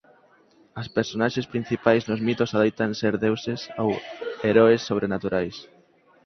As personaxes principais nos mitos adoitan ser deuses ou heroes sobrenaturais.